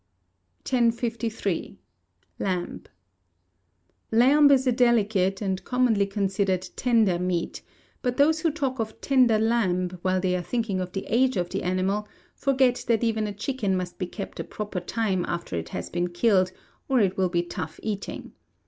1053. Lamb Lamb is a delicate, and commonly considered tender meat; but those who talk of tender lamb, while they are thinking of the age of the animal, forget that even a chicken must be kept a proper time after it has been killed, or it will be tough eating.